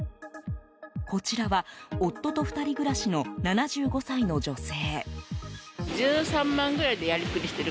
こちらは夫と２人暮らしの７５歳の女性。